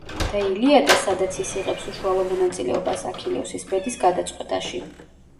და ილიადა სადაც ის იღებს უშუალო მონაწილეობას აქილევსის ბედის გადაწყვეტაში.